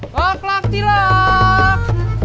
lak lak silak